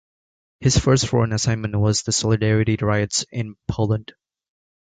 His first foreign assignment was the Solidarity riots in Poland.